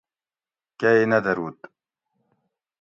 کۤئ نہ دروت